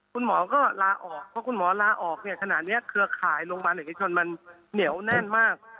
คุณหมอก็ลาออกเพราะคุณหมอลาออกเนี่ยขนาดนี้เครือข่ายโรงพยาบาลเอกชนมันเหนียวแน่นมาก